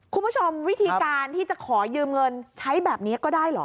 คุณผู้ชมวิธีการที่จะขอยืมเงินใช้แบบนี้ก็ได้เหรอ